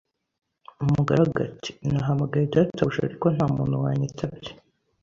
Umugaragu ati nahamagaye databuja ariko nta muntu wanyitabye